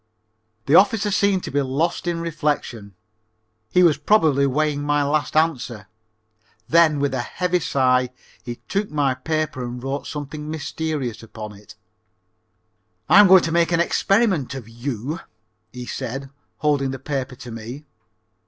The officer seemed to be lost in reflection. He was probably weighing my last answer. Then with a heavy sigh he took my paper and wrote something mysterious upon it. "I'm going to make an experiment of you," he said, holding the paper to me.